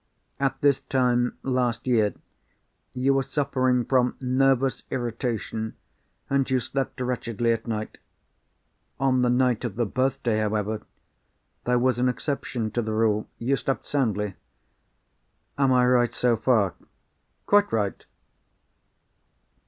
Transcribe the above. At this time, last year, you were suffering from nervous irritation, and you slept wretchedly at night. On the night of the birthday, however, there was an exception to the rule—you slept soundly. Am I right, so far?" "Quite right!"